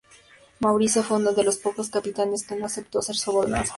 Maurice fue uno de los pocos capitanes que no aceptó ser sobornado.